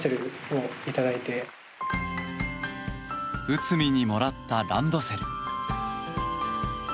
内海にもらったランドセル。